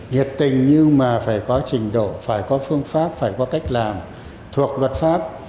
nhiệt tình nhưng mà phải có trình độ phải có phương pháp phải có cách làm thuộc luật pháp